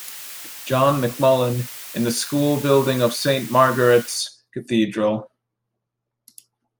John McMullen, in the school building of Saint Margaret's Cathedral.